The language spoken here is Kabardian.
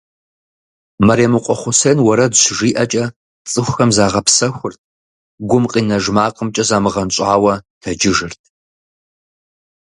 Мэремыкъуэ Хъусен уэрэд щыжиӀэкӀэ цӀыхухэм загъэпсэхурт, гум къинэж макъымкӀэ замыгъэнщӀауэ тэджыжырт.